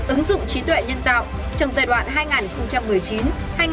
ứng dụng trí tuệ nhân tạo trong giai đoạn hai nghìn một mươi chín hai nghìn hai mươi năm